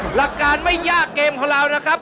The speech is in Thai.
หลักการไม่ยากเกมของเรานะครับ